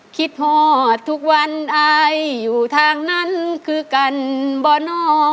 พ่อทุกวันอายอยู่ทางนั้นคือกันบ่อนอ